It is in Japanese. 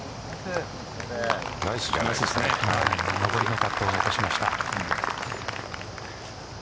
上りのパットを残しました。